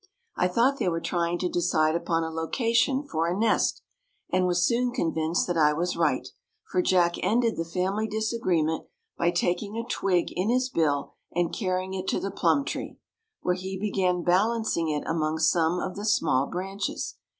I thought they were trying to decide upon a location for a nest and was soon convinced that I was right, for Jack ended the family disagreement by taking a twig in his bill and carrying it to the plum tree, where he began balancing it among some of the small branches.